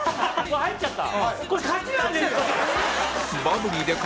ああ入っちゃった。